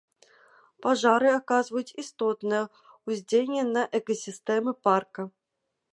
Пажары аказваюць істотнае ўздзеянне на экасістэмы парка.